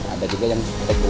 ada juga yang